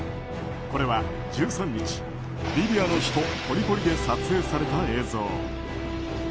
これは１３日、リビアの首都トリポリで撮影された映像。